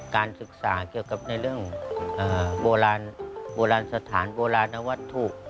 การศึกษาเกี่ยวกับในเรื่องโบราณโบราณสถานโบราณนวัตถุ